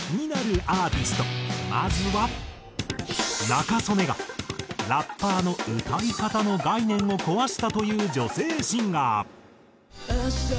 仲宗根が「ラッパーの歌い方の概念を壊した」と言う女性シンガー。